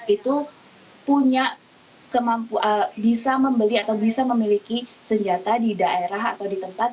itu punya kemampuan bisa membeli atau bisa memiliki senjata di daerah atau di tempat